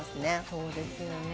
そうですよね。